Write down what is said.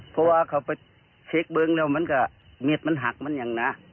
เพราะว่าเขาไปเช็คเบิ้งแล้วมันก็เม็ดมันหักมันอย่างนะ